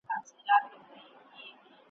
یو د بل په ژبه پوه مي ننګرهار او کندهار کې ,